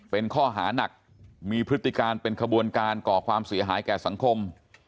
เป็นข้อหานักมีพฤติการเป็นขบวนการก่อความเสียหายแก่สังคม